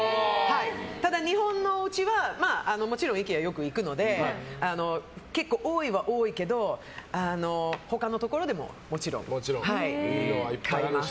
ただ日本のおうちはもちろんＩＫＥＡによく行くので結構多いは多いけど他のところでももちろん買います。